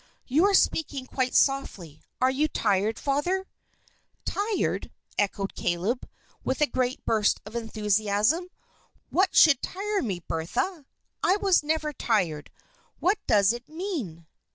"You are speaking quite softly. Are you tired, Father?" "Tired?" echoed Caleb with a great burst of enthusiasm. "What should tire me, Bertha? I was never tired. What does it mean?"